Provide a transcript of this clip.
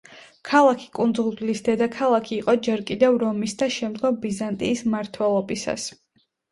ქალაქი კუნძულის დედაქალაქი იყო ჯერ კიდევ რომის და შემდგომ ბიზანტიის მმართველობისას.